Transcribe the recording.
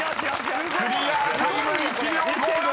クリアタイム１秒５７］